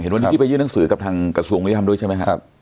เฮียดวันนี้ที่ไปยื่นหนังสือกับทางกระทรวงผู้วิทยาลัยทำด้วยใช่ไหมครับ